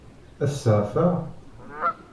Ad t-seɛfeɣ?